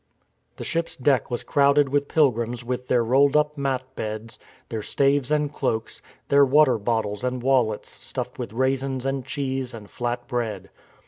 The ship's deck was crowded with pilgrims with their rolled up mat beds, their staves and cloaks, their water bottles and wallets stuffed with raisins and cheese and flat bread.